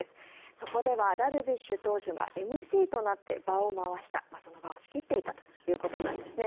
そこではダルビッシュ投手がＭＣとなって場を回したその場を仕切っていたということです。